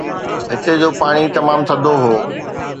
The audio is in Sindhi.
هتي جو پاڻي تمام ٿڌو هو.